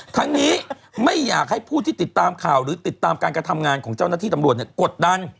ทั้งนี้ไม่อยากให้ผู้ที่ติดตามข่าวหรือติดตามการกระทำงานของเจ้าหน้าที่ตำรวจกดดัน